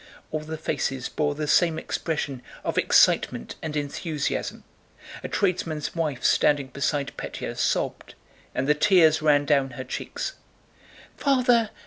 All the faces bore the same expression of excitement and enthusiasm. A tradesman's wife standing beside Pétya sobbed, and the tears ran down her cheeks. "Father!